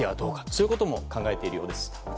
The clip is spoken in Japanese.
そういうことも考えているようです。